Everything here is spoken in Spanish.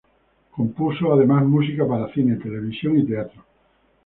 Compuso además música para cine, televisión y teatro.